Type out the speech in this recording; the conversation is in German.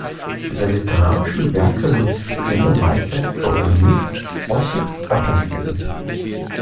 Für seine literarischen Werke nutzt Kühne meist das Pseudonym Ossip Ottersleben.